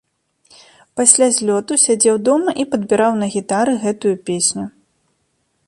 Пасля злёту сядзеў дома і падбіраў на гітары гэтую песню.